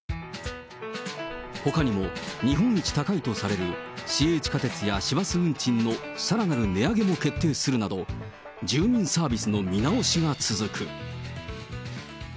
ほかにも、日本一高いとされる市営地下鉄や市バス運賃のさらなる値上げも決定するなど、住民サービスの見直しが続く。